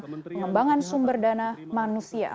pengembangan sumber dana manusia